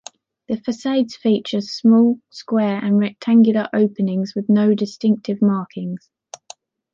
The façades feature small square and rectangular openings, with no distinctive markings.